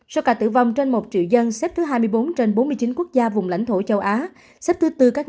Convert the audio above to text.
số ca tử vong trên một triệu dân xếp thứ hai mươi bốn trên bốn mươi chín quốc gia vùng lãnh thổ châu á xếp thứ tư các nước